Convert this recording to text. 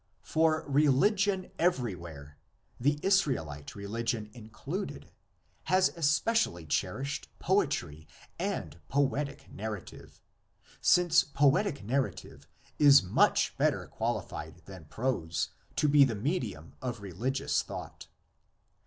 For religion everywhere, the Israelite religion included, has especially cher ished poetry and poetic narrative, since poetic nar rative is much better qualified than prose to be the medium of religious thought.